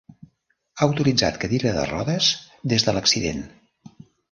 Ha utilitzat cadira de rodes des de l'accident.